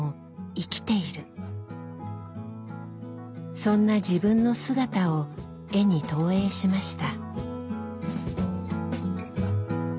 そんな自分の姿を絵に投影しました。